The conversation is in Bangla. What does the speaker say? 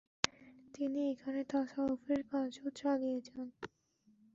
তিনি এখানে তাসাউফের কাজও চালিয়ে যান।